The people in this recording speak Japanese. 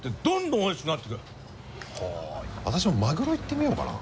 私もマグロいってみようかな。